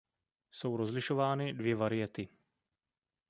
Jsou rozlišovány dvě variety.